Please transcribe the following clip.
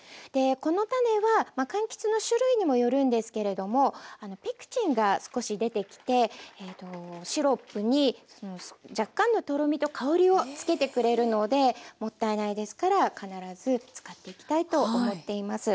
この種はかんきつの種類にもよるんですけれどもペクチンが少し出てきてシロップに若干のとろみと香りをつけてくれるのでもったいないですから必ず使っていきたいと思っています。